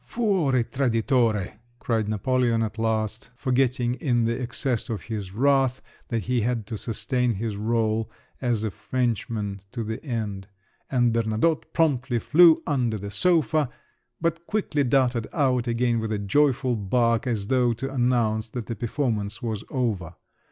"Fuori, traditore!" cried Napoleon at last, forgetting in the excess of his wrath that he had to sustain his rôle as a Frenchman to the end; and Bernadotte promptly flew under the sofa, but quickly darted out again with a joyful bark, as though to announce that the performance was over.